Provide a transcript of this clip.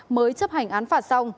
mới chấp hành án phạt xong